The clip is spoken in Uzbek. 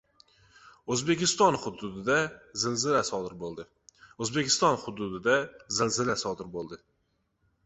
O‘zbekiston hududida zilzila sodir bo‘ldi